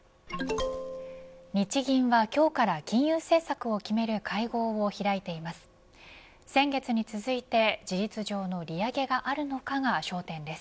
日銀は今日から金融政策を決める会合を開いています。